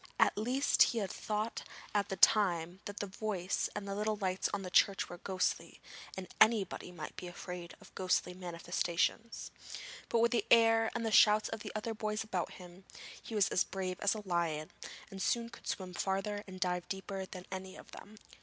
At least he had thought at the time that the voice and the lights in the church were ghostly, and anybody might be afraid of ghostly manifestations. But with the air and the shouts of other boys about him, he was as brave as a lion, and soon could swim farther and dive deeper than any of them.